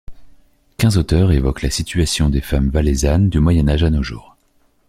Quinze auteur-e-s évoquent la situation des femmes valaisannes du Moyen Âge à nos jours.